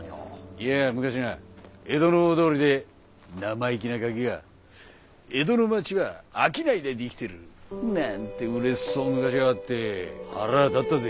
いや昔な江戸の大通りで生意気なガキが「江戸の町は商いで出来てる」なんてうれしそうにぬかしやがって腹あ立ったぜ。